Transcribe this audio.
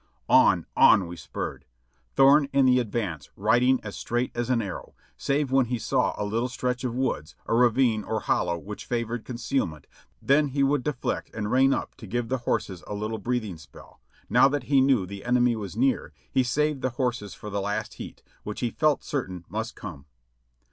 On, on we spurred ; Thorne in the advance riding as straight as an arrow, save when he saw a little stretch of woods, a ravine or hollow which favored concealment, then he would deflect and rein up to give the horses a little breathing spell; now that he 40 626 JOHNNY REB AND BIlvI^Y YANK knew the enemy was near, he saved the horses for the last heat, which he felt certain must come.